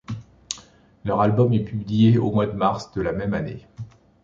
Leur album ' est publié au mois de mars de la même année.